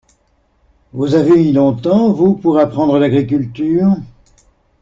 Vous avez mis longtemps, vous, pour apprendre l’agriculture?